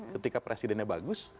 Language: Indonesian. ketika presidennya bagus